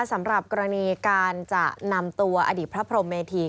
สำหรับกรณีการจะนำตัวอดีตพระพรมเมธี